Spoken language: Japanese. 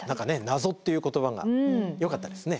謎っていう言葉がよかったですね。